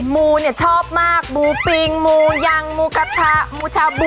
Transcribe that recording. มูเนี่ยชอบมากหมูปิงหมูยังหมูกระทะหมูชาบู